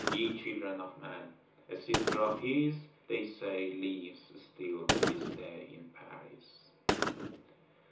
Ye children of men! A sister of his, they say, lives still to this day in Paris.